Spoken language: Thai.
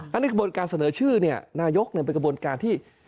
และในกระบวนการเสนอชื่อนายกเป็นกระบวนการที่